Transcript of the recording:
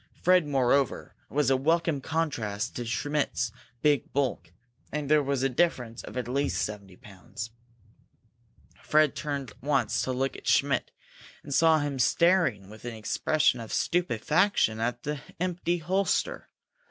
Fred, moreover, was a welcome contrast to Schmidt's big bulk; there was a difference of at least seventy pounds. Fred turned once to look at Schmidt, and saw him staring with an expression of stupefaction at the empty holster.